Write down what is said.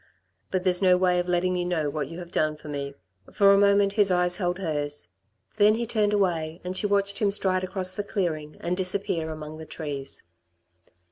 But there's no way of letting you know what you have done for me." For a moment his eyes held hers. Then he turned away, and she watched him stride across the clearing and disappear among the trees.